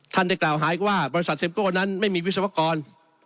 ได้กล่าวหาอีกว่าบริษัทเมโก้นั้นไม่มีวิศวกร